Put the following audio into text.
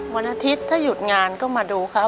วันอาทิตย์ถ้าหยุดงานก็มาดูเขา